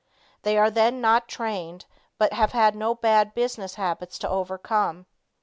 They are then not trained, but have no bad business habits to overcome.